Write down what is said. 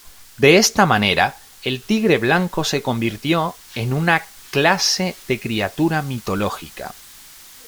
De esta manera, el tigre blanco, se convirtió en una clase de criatura mitológica.